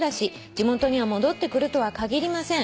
「地元には戻ってくるとはかぎりません」